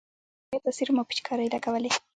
هغې راته سيروم او پيچکارۍ لګولې.